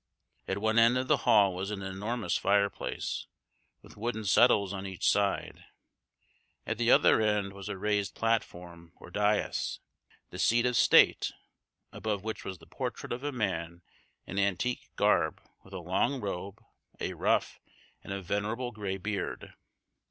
At one end of the hall was an enormous fireplace, with wooden settles on each side; at the other end was a raised platform, or dais, the seat of state, above which was the portrait of a man in antique garb with a long robe, a ruff, and a venerable gray beard.